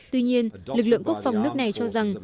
tuy nhiên lực lượng quốc phòng nước này cho rằng